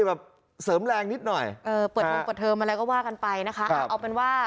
อะไรนะตีกันแล้ว